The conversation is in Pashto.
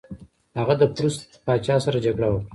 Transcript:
هغه د پوروس پاچا سره جګړه وکړه.